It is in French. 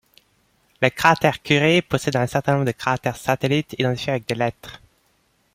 Le cratère Curie possède un certain nombre de cratères satellites identifiés avec des lettres.